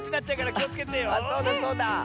あっそうだそうだ！